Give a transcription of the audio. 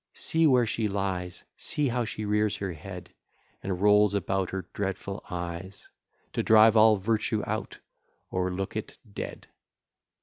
See where she lies! See how she rears her head, And rolls about her dreadful eyes, To drive all virtue out, or look it dead!